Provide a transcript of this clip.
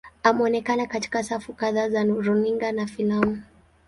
Ameonekana katika safu kadhaa za runinga na filamu.